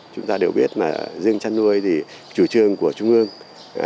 chúng ta đều biết là riêng chăn nuôi thì chủ trương của trung ương